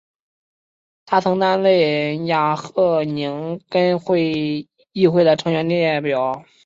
他曾担任瓦赫宁根市议会的成员代表。